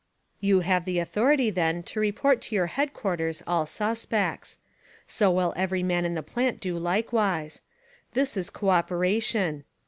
You have the authority then to report to your headquarters all suspects. So will every man in the plant do likewise. This is co operation.